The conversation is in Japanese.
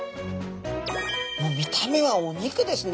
もう見た目はお肉ですね。